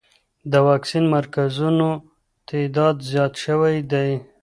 د واکسین مرکزونو تعداد زیات شوی دی.